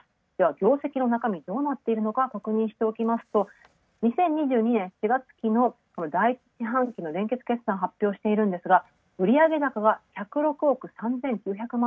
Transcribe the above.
業績の中身どうなっているのか確認しておきますと、２０２２年４月期の連結決算を発表しているんですが売上高が１０６億３９００万